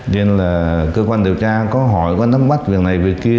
nên là cơ quan điều tra có hỏi có nắm bắt việc này việc kia